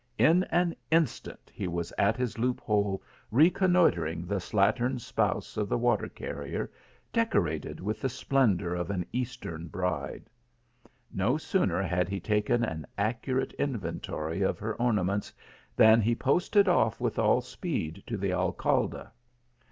In an instant he was nt his loop hole, reconnoitring the slattern spouse of the water carrier, decorated with the splendour of an eastern bride. No sooner had he taken an accurate inventory of her ornaments than he posted off with all speed to the Alcalde.